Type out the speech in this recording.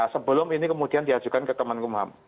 sebelum ini kemudian diajukan ke kemenkumham